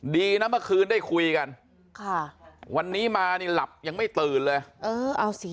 ดีนะเมื่อคืนได้คุยกันค่ะวันนี้มานี่หลับยังไม่ตื่นเลยเออเอาสิ